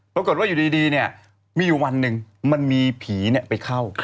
แล้วกดว่าอยู่ดีเนี่ยมีวันหนึ่งมันมีผีเนี่ยไปเข้า